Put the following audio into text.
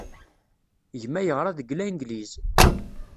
Gma yeɣra deg Langliz.